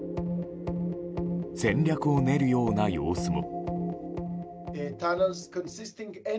戦略を練るような様子も。